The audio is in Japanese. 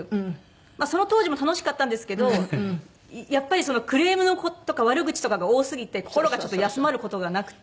まあその当時も楽しかったんですけどやっぱりそのクレームの事とか悪口とかが多すぎて心がちょっと休まる事がなくて。